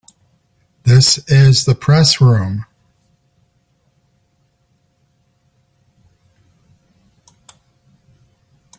This is the Press Room.